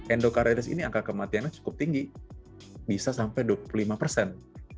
endokariris ini angka kematiannya cukup tinggi bisa sampai dua puluh lima persen